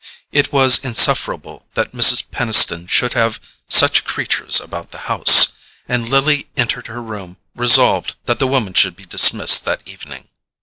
It was insufferable that Mrs. Peniston should have such creatures about the house; and Lily entered her room resolved that the woman should be dismissed that evening.